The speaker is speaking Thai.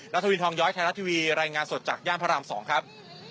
นัทวิทย์ทองย้อยไทรทาลัททีวีไลน์งานสดจากย่านพระรามสองครับ